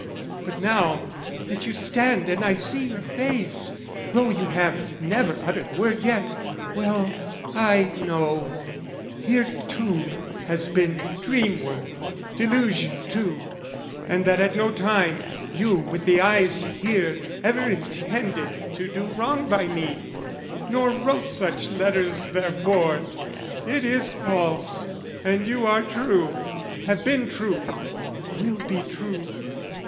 "But now, that you stand and I see your face, "Though you have never uttered word yet, well, I know, "Here too has been dream work, delusion too, "And that at no time, you with the eyes here, "Ever intended to do wrong by me, "Nor wrote such letters therefore. It is false, "And you are true, have been true, will be true.